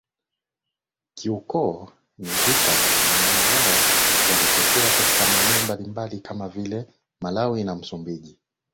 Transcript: kiukoo ni vita maana wao walitokea katika maeneo mbalimbali kama vile Malawi na Msumbiji